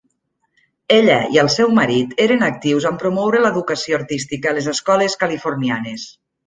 Ella i el seu marit eren actius en promoure l'educació artística a les escoles californianes.